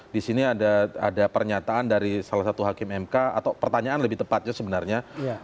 di sini ada pernyataan dari salah satu hakim mk atau pertanyaan lebih tepatnya sebenarnya